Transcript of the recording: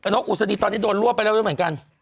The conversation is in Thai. นกอุศดีตอนนี้โดนรวบไปแล้วด้วยเหมือนกัน